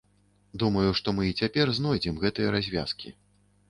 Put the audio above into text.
Думаю, што мы і цяпер знойдзем гэтыя развязкі.